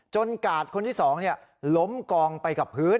กาดคนที่๒ล้มกองไปกับพื้น